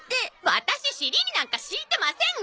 ワタシ尻になんか敷いてません！